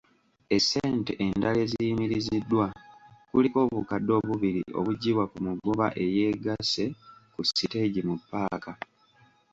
Essente endala eziyimiriziddwa kuliko obukadde obubiri obuggibwa ku mugoba eyeegasse ku siteegi mu ppaaka.